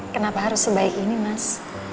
kenapa harus sebaik ini mas